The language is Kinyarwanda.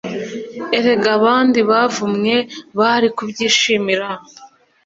erega abandi bavumwe bari kubyishimira